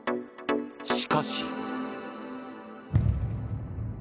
しかし。